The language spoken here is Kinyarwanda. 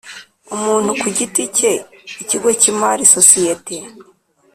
umuntu ku giti cye ikigo cy imari sosiyete